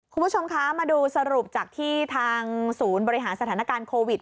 คุณผู้ชมคะมาดูสรุปจากที่ทางศูนย์บริหารสถานการณ์โควิด